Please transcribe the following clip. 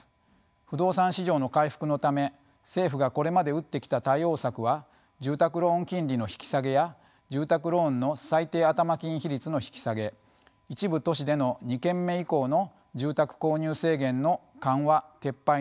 不動産市場の回復のため政府がこれまで打ってきた対応策は住宅ローン金利の引き下げや住宅ローンの最低頭金比率の引き下げ一部都市での２軒目以降の住宅購入制限の緩和・撤廃などです。